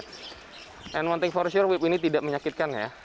dan satu hal yang pasti ini tidak menyakitkan ya